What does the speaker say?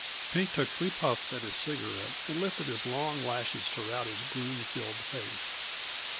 Pink took three puffs at his cigarette, and lifted his long lashes to Rowdy's gloom filled face.